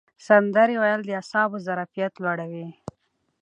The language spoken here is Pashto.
سندرې ویل د اعصابو ظرفیت لوړوي.